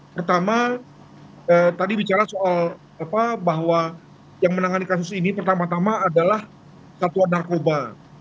pertama tadi bicara soal bahwa yang menangani kasus ini pertama tama adalah satuan narkoba